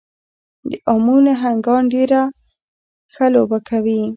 د امو نهنګان ډېره ښه لوبه کوي.